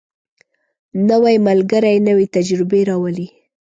نوی ملګری نوې تجربې راولي